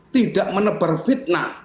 tidak menebar fitnah